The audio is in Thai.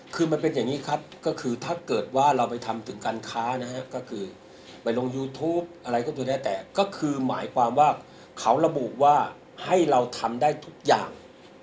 คือมันเป็นอย่างนี้ครับก็คือถ้าเกิดว่าเราไปทำถึงการค้านะฮะก็คือไปลงยูทูปอะไรก็ตัวได้แต่ก็คือหมายความว่าเขาระบุว่าให้เราทำได้ทุกอย่าง